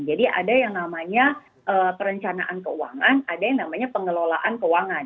jadi ada yang namanya perencanaan keuangan ada yang namanya pengelolaan keuangan